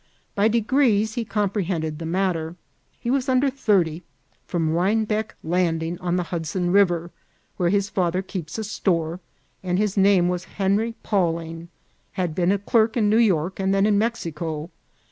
By degrees he comprehend ed the matter. He was under thirty, from Rhinebeck Landing, on the Hudson River, where his father keeps a store, and his name was Henry Pawling ; had been a clerk in New York, and then in Mexico.